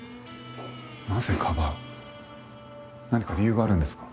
なぜかばう何か理由があるんですか？